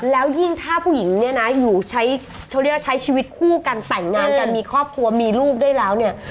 แล้วยิ่งถ้าผู้หญิงใช้ชีวิตคู่กันแต่งงานกันมีครอบครัวมีลูกได้แล้ว